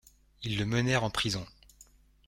Ils le menèrent en prison.